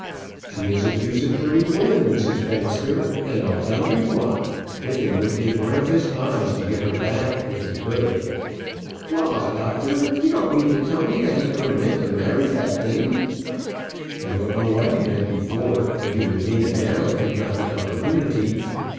"She is a deuced pretty woman, Mrs. Bangster; and I'll tell you what: Biffin would give one of his eyes to get her back again if he could." "Laws, doctor! You don't mean to tell me that he ever meant to marry that thing?" "I don't know what he meant before; but he would mean it now, if he got the opportunity."